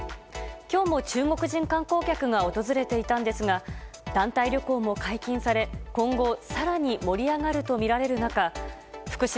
今日も中国人観光客が訪れていたんですが団体旅行も解禁され今後更に盛り上がるとみられる中福島